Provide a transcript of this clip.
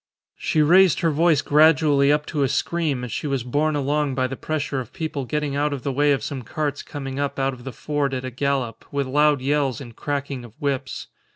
She raised her voice gradually up to a scream as she was borne along by the pressure of people getting out of the way of some carts coming up out of the ford at a gallop, with loud yells and cracking of whips.